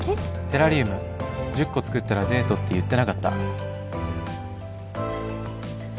テラリウム１０個作ったらデートって言ってなかった？